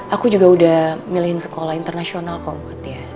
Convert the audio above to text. aku juga udah milihin sekolah internasional kok buat dia